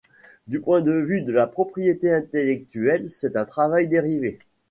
Du point de vue de la propriété intellectuelle, c'est un travail dérivé.